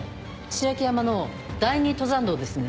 白城山の第二登山道ですね？